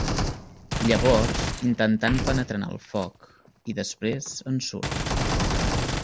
Llavors intentant penetrar en el foc, i després en surt.